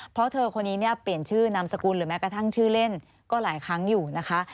เพราะเธอคนนี้เนี่ยเปลี่ยนชื่อนามสกุลหรือแม้กระทั่งชื่อเล่นก็หลายครั้งอยู่นะคะ